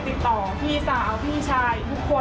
มีความรู้สึกว่ามีความรู้สึกว่า